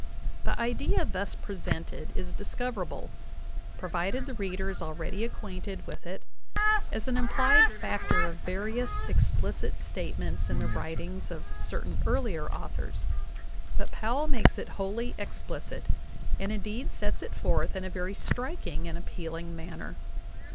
The idea thus presented is discoverable, provided the reader is already acquainted with it, as an implied factor of various explicit statements in the writings of certain earlier authors ; but Powell makes it wholly explicit, and indeed sets it forth in a very striking and appealing manner.